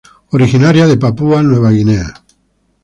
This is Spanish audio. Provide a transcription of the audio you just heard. Originaria de Papúa Nueva Guinea.